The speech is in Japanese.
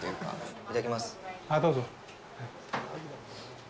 いただきます。